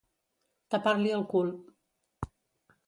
Tapar-li el cul.